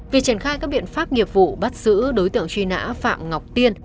việc triển khai các biện pháp nghiệp vụ bắt giữ đối tượng truy nã phạm ngọc tiên